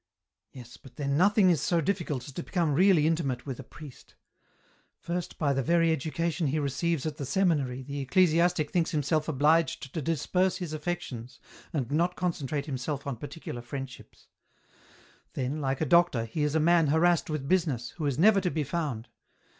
" Yes, but then nothing is so difficult as to become really intimate with a priest ; first by the very education he receives at the seminary the ecclesiastic thinks himself obliged to disperse his affections and not concentrate him self on particular friendships ; then, like a doctor, he is a man harassed with business, who is never to be found.